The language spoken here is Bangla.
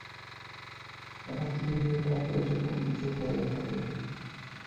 এরা তিন মিটার পর্যন্ত উঁচু হয়ে থাকে।